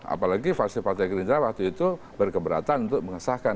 apalagi falsifatnya kinerja waktu itu berkeberatan untuk mengesahkan